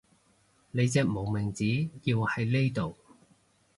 你隻無名指要喺呢度